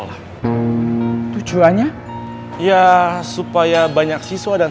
agung ya pak